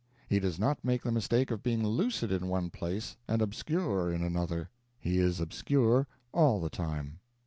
He does not make the mistake of being lucid in one place and obscure in another; he is obscure all the time.